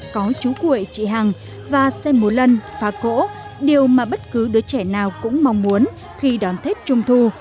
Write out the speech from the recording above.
có chú quệ chị hằng và xem mùa lần phá cỗ điều mà bất cứ đứa trẻ nào cũng mong muốn khi đón tết trung thu